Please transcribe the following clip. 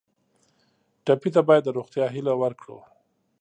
ټپي ته باید د روغتیا هیله ورکړو.